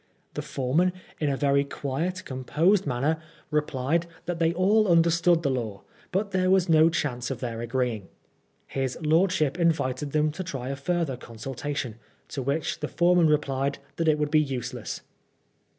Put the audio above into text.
The foreman, in a very quiet, composed manner, replied that they all understood the law, but there was no chknce of their agreeing. His lordship invited them to try a further consultation, to which the foreman replied that it would be useless.